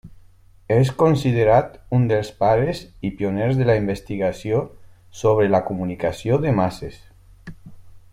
És considerat un dels pares i pioners de la investigació sobre la comunicació de masses.